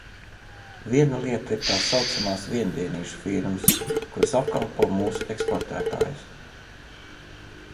Viena lieta ir tā saucamās viendienīšu firmas, kuras apkalpo mūsu eksportētājus.